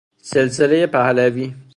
سلسلهُ پهلوی